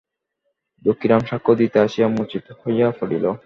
দুখিরাম সাক্ষ্য দিতে আসিয়া, মূর্ছিত হইয়া পড়িল।